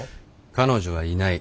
彼女はいない。